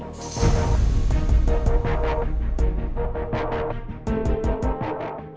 tidak ada yang bisa disuruh